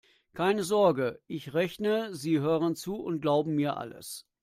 Keine Sorge: Ich rechne, Sie hören zu und glauben mir alles.